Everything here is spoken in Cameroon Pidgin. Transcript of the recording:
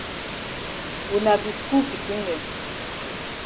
Wuna be skul pikin dem.